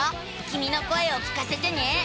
きみの声を聞かせてね。